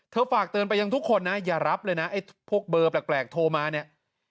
ฝากเตือนไปยังทุกคนนะอย่ารับเลยนะไอ้พวกเบอร์แปลกโทรมาเนี่ย